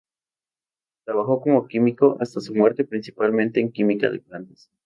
Trabajó como químico hasta su muerte principalmente en química de plantas.